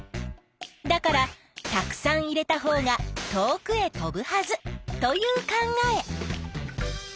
だからたくさん入れたほうが遠くへ飛ぶはずという考え。